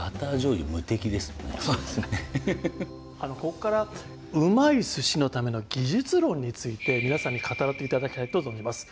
ここから旨い鮨のための技術論について皆さんに語らっていただきたいと存じます。